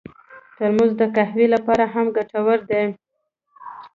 ترموز د قهوې لپاره هم ګټور دی.